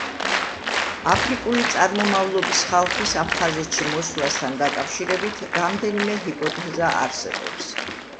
აფრიკული წარმომავლობის ხალხის აფხაზეთში მოსვლასთან დაკავშირებით რამდენიმე ჰიპოთეზა არსებობს.